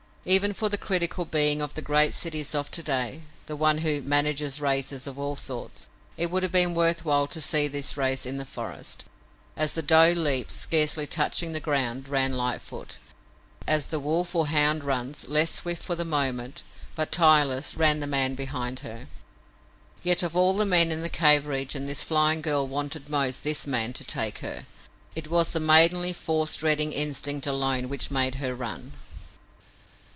Even for the critical being of the great cities of to day, the one who "manages" races of all sorts, it would have been worth while to see this race in the forest. As the doe leaps, scarcely touching the ground, ran Lightfoot. As the wolf or hound runs, less swift for the moment, but tireless, ran the man behind her. Yet of all the men in the cave region, this flying girl wanted most this man to take her! It was the maidenly force dreading instinct alone which made her run.